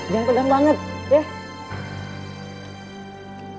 jangan tegang banget ya